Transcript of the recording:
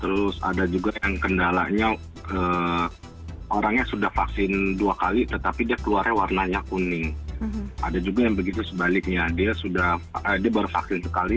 terus ada juga yang kendalanya orangnya sudah vaksin dua kali tetapi dia keluarnya warnanya kuning ada juga yang begitu sebaliknya dia sudah dia baru vaksin sekali